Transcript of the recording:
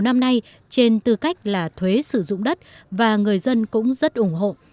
năm nay trên tư cách là thuế sử dụng đất và người dân cũng rất ủng hộ